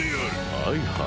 はいはい。